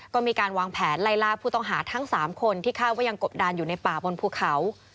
ก็มีการวางแผนไล่ล่าผู้ต้องหาทั้ง๓คนที่คาดว่ายังกบดานอยู่ในป่าบนภูเขา